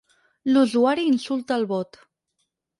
L'usuari insulta el bot.